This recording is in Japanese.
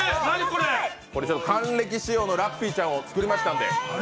これ、還暦仕様のラッピーちゃんを作りましたので。